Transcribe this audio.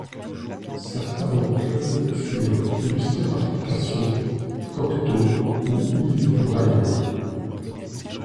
Certains recueils furent illustrés par Picasso, Cocteau ou Yves Brayer.